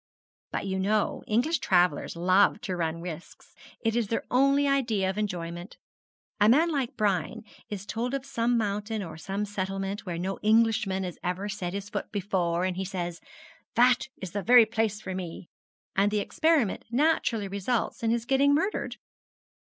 'But you know English travellers love to run risks. It is their only idea of enjoyment. A man like Brian is told of some mountain or some settlement where no Englishman has ever set his foot before, and he says, "That is the very place for me," and the experiment naturally results in his getting murdered.'